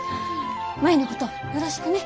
舞のことよろしくね。